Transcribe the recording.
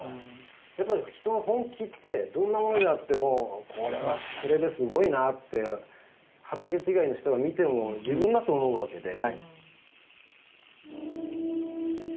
やっぱり人の本気ってどんなものであってもこれはこれですごいなって畑違いの人が見ても自分だって思うわけで。